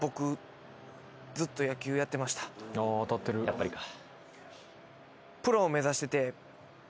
やっぱりか。